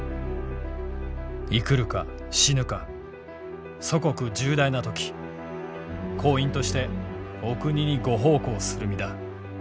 「生くるか死ぬか祖国重大なとき工員としてお国にご奉公する身だ。